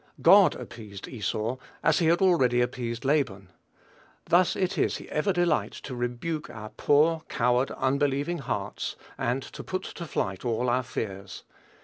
God "appeased" Esau, as he had already appeased Laban. Thus it is he ever delights to rebuke our poor, coward, unbelieving hearts, and put to flight all our fears.